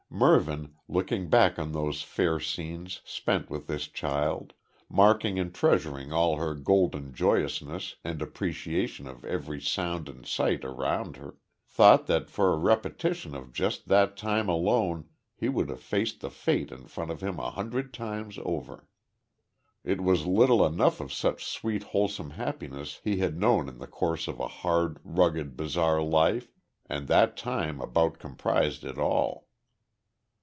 Mervyn, looking back on those fair scenes, spent with this child; marking and treasuring all her golden joyousness and appreciation of every sound and sight around her; thought that for a repetition of just that time alone he would have faced the fate in front of him a hundred times over. It was little enough of such sweet wholesome happiness he had known in the course of a hard, rugged, bizarre life, and that time about comprised it all.